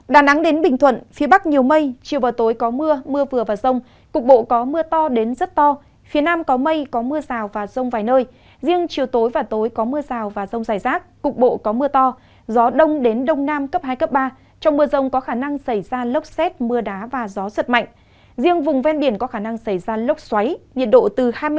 đà nẵng đến bình thuận phía bắc nhiều mây chiều và tối có mưa mưa vừa và rông cục bộ có mưa to đến rất to phía nam có mây có mưa rào và rông vài nơi riêng chiều tối và tối có mưa rào và rông xảy rác cục bộ có mưa to gió đông đến đông nam cấp hai cấp ba trong mưa rông có khả năng xảy ra lốc xét mưa đá và gió rất mạnh riêng vùng ven biển có khả năng xảy ra lốc xoáy nhiệt độ từ hai mươi năm đến ba mươi năm độ